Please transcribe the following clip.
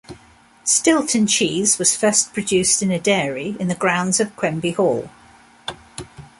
Stilton cheese was first produced in a dairy in the grounds of Quenby Hall.